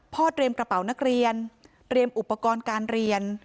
เตรียมกระเป๋านักเรียนเตรียมอุปกรณ์การเรียน